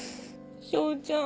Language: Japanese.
彰ちゃん。